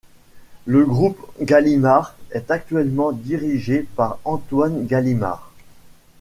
Le groupe Gallimard est actuellement dirigé par Antoine Gallimard.